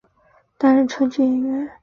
担任川剧演员。